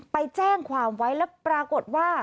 ไปแจ้งความไว้แล้วปรากฏว่า